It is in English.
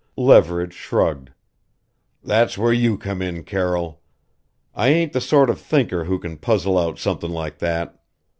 Leverage shrugged: "That's where you come in, Carroll. I ain't the sort of thinker who can puzzle out something like that.